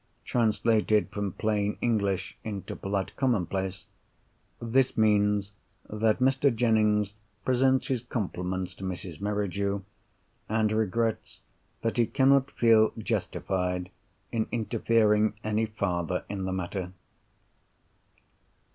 Translated from plain English into polite commonplace, this means that Mr. Jennings presents his compliments to Mrs. Merridew, and regrets that he cannot feel justified in interfering any farther in the matter.